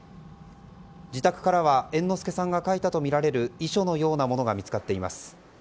自宅からは猿之助さんが書いたとみられる遺書のようなものが見つかっています。